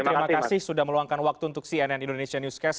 terima kasih sudah meluangkan waktu untuk cnn indonesia newscast